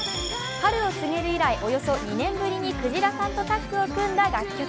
「春を告げる」以来、およそ２年ぶりにくじらさんとタッグを組んだ楽曲。